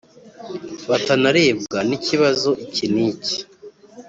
batanarebwa n ikibazo iki n iki